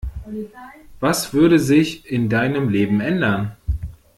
Was würde sich in deinem Leben ändern?